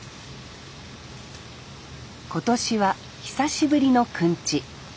今年は久しぶりのくんち。